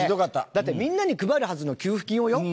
だってみんなに配るはずの給付金をよ？